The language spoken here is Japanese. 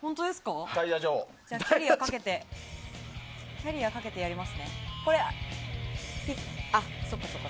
キャリアかけてやりますね。